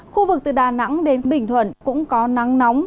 khu vực từ đà nẵng đến bình thuận cũng có nắng nóng